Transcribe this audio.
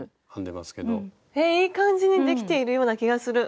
いい感じにできているような気がする。